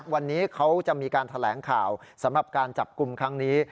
วันนี้เขาจะมีการแถลงข่าวสำหรับการจับกลุ่มครั้งนี้